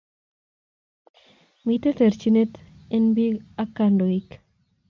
Miten terchinet en pik ak kandoik